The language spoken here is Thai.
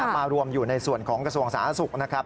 มารวมอยู่ในส่วนของกระทรวงสาธารณสุขนะครับ